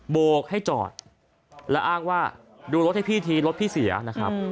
โกกให้จอดแล้วอ้างว่าดูรถให้พี่ทีรถพี่เสียนะครับ